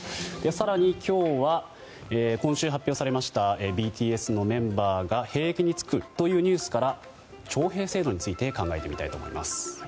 更に、今日は今週発表されましたＢＴＳのメンバーが兵役に就くというニュースから徴兵制度について考えてみたいと思います。